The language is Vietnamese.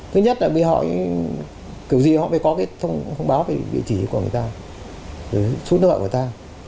thứ nhất là vì họ kiểu gì họ phải có cái thông báo về vị trí của người ta số nợ của người ta